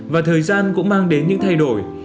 và thời gian cũng mang đến những thay đổi